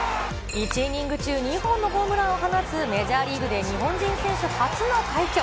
１イニング中、２本のホームランを放つメジャーリーグで日本人選手初の快挙。